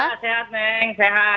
sehat sehat neng sehat